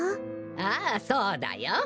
ああそうだよ。